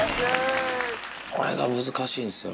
これが難しいんすよね。